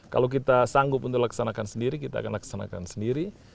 kalau kita sanggup untuk laksanakan sendiri kita akan laksanakan sendiri